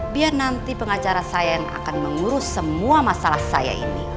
biar nanti pengacara saya yang akan mengurus semua masalah saya ini